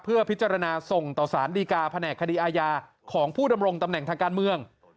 เพื่อพิจารณาส่งต่อสารดีกาแผนกคดีอาญาของผู้ดำรงตำแหน่งทางการเมือง